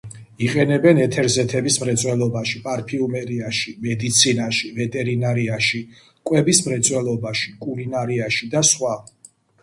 იყენებენ ეთერზეთების მრეწველობაში, პარფიუმერიაში, მედიცინაში, ვეტერინარიაში, კვების მრეწველობაში, კულინარიაში და სხვა.